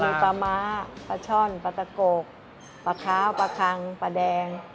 มีปลาม้าปลาช่อนปลาตะโกปลาขาวปลาคังปลาแดง